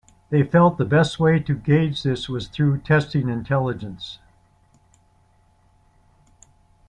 They felt the best way to gauge this was through testing intelligence.